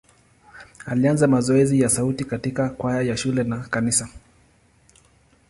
Alianza mazoezi ya sauti katika kwaya ya shule na kanisa.